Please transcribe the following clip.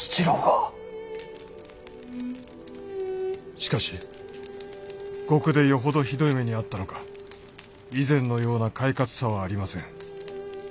「しかし獄でよほどひどい目に遭ったのか以前のような快活さはありません。